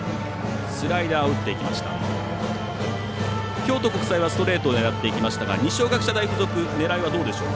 京都国際はストレートを打ちにいきましたが二松学舎大付属狙いはどうでしょうか。